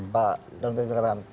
pak darun terima kasih